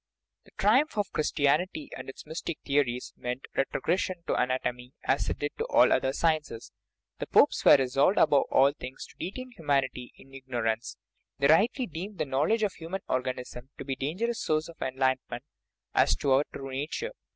The triumph of Christianity and its mystic theories meant retrogression to anatomy, as it did to all the other sciences. The popes were resolved above all things to detain humanity in ignorance ; they rightly deemed a knowledge of the human organism to be a dangerous source of enlightenment as to our true nature.